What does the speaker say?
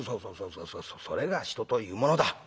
「そうそうそれが人というものだ。